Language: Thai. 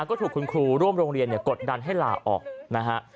ก็ถูกคุณครูร่วมโรงเรียนกดดันให้ลาออกนะฮะ